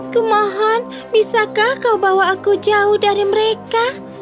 kumohon bisakah kau bawa aku jauh dari mereka